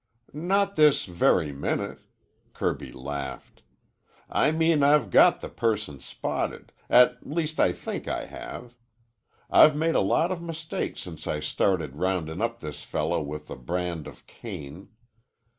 "Not this very minute," Kirby laughed. "I mean I've got the person spotted, at least I think I have. I've made a lot of mistakes since I started roundin' up this fellow with the brand of Cain.